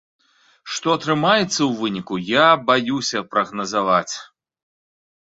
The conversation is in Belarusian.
Што атрымаецца ў выніку, я баюся прагназаваць.